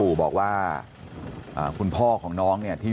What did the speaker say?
ลูกสาวหลายครั้งแล้วว่าไม่ได้คุยกับแจ๊บเลยลองฟังนะคะ